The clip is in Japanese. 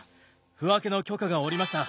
腑分けの許可が下りました。